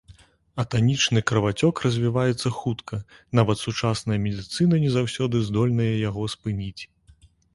Атанічны крывацёк развіваецца хутка, нават сучасная медыцына не заўсёды здольная яго спыніць.